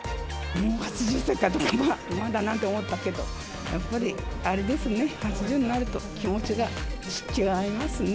もう８０歳かと、まだなと思ったけど、やっぱりあれですね、８０になると、気持ちが違います